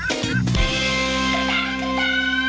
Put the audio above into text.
เพิ่มเวลา